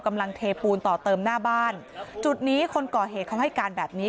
เทปูนต่อเติมหน้าบ้านจุดนี้คนก่อเหตุเขาให้การแบบนี้